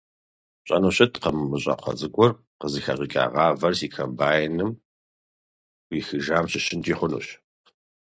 Пщӏэну щыткъым, мы щӏакхъуэ цӏыкӏур къызыхэщӏыкӏа гъавэр си комбайным ӏуихыжам щыщынкӏи хъунщ.